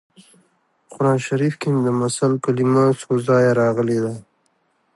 په قران شریف کې هم د مثل کلمه څو ځایه راغلې ده